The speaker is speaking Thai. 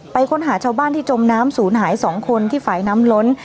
ค้นหาชาวบ้านที่จมน้ำศูนย์หาย๒คนที่ฝ่ายน้ำล้น